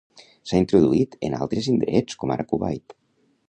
S'ha introduït en altres indrets com ara Kuwait.